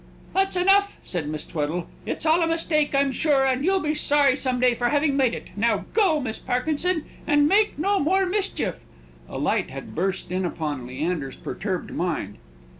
"That's enough," said Miss Tweddle. "It's all a mistake, I'm sure, and you'll be sorry some day for having made it. Now go, Miss Parkinson, and make no more mischief!" A light had burst in upon Leander's perturbed mind.